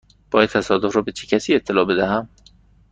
باید تصادف را به چه کسی اطلاع بدهم؟